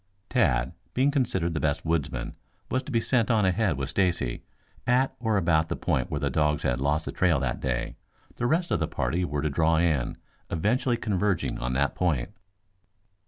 Tad, being considered the best woodsman, was to be sent on ahead with Stacy at or about the point where the dogs had lost the trail that day. The rest of the party were to draw in, eventually converging on that point.